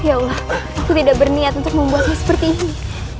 ya allah aku tidak berniat untuk membuatnya seperti ini